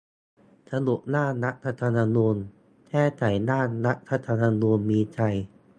สรุปร่างรัฐธรรมนูญ : แก้ไขร่างรัฐธรรมนูญมีชัย